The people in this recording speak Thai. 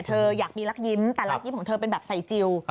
อยากมีรักยิ้มแต่รักยิ้มของเธอเป็นแบบใส่จิล